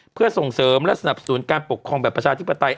เพื่อส่งเสริมและสนับสนุนการปกครองแบบประชาธิปไตย